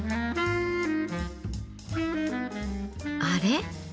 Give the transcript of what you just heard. あれ？